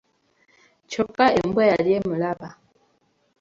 Kyokka embwa yali emulaba.